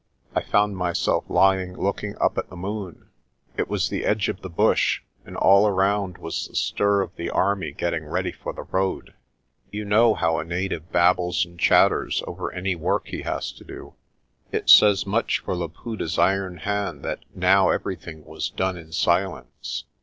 I found myself lying looking up at the moon. It was the edge of the bush, and all around was the stir of the army getting ready for the road. You know how a native babbles and chatters over any work he has to do. It says much for Laputa's iron hand that now everything was done in silence.